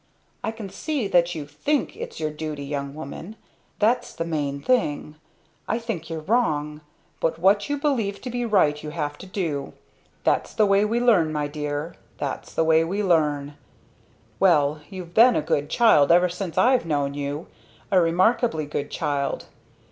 "I can see that you think its your duty, young, woman that's the main thing. I think you're wrong. But what you believe to be right you have to do. That's the way we learn my dear, that's the way we learn! Well you've been a good child ever since I've known you. A remarkably good child.